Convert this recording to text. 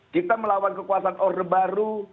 kita melawan kekuasaan orde baru